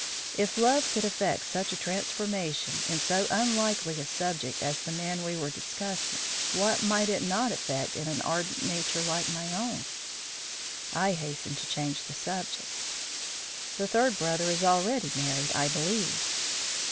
If love could effect such a transformation in so unlikely a subject as the man we were discussing, what might it not effect in an ardent nature like my own? I hastened to change the subject. "The third brother is already married, I believe."